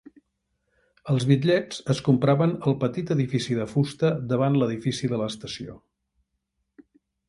Els bitllets es compraven al petit edifici de fusta davant l'edifici de l'estació.